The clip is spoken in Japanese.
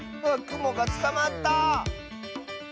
くもがつかまった！